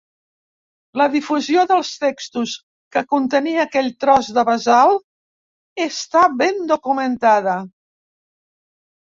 La difusió dels textos que contenia aquell tros de basalt està ben documentada.